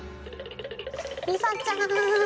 梨紗ちゃーん。